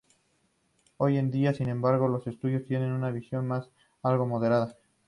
Hoy en día, sin embargo, los estudiosos tienen una visión algo más moderada.